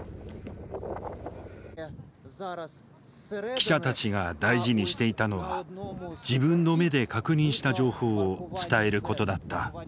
記者たちが大事にしていたのは自分の目で確認した情報を伝えることだった。